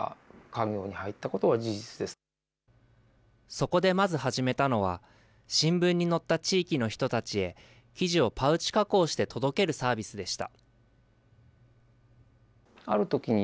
そこでまず始めたのは、新聞に載った地域の人たちへ記事をパウチ加工して届けるサービスでした。